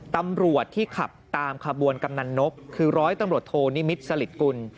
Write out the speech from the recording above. ตำรวจที่ขับตามขบวนกำนันนกคือร้อยตำรวจโทนิมิตรสลิดกุล